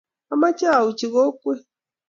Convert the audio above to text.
amoche auchi kokwee.